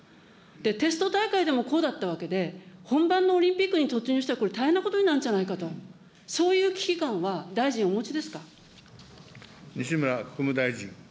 テスト大会でもこうだったわけで、本番のオリンピックに突入したら、これ、大変なことになるんじゃないかと、そういう危機感は、大臣お持ちですか。